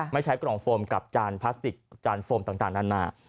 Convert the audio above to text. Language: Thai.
ใช้กล่องโฟมกับจานพลาสติกจานโฟมต่างนานา